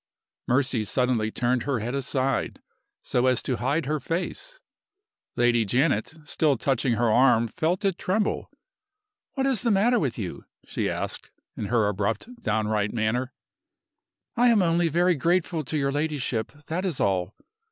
Mercy suddenly turned her head aside, so as to hide her face. Lady Janet, still touching her arm, felt it tremble. "What is the matter with you?" she asked, in her abrupt, downright manner. "I am only very grateful to your ladyship that is all."